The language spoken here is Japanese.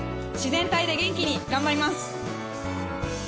自然体で元気に頑張ります。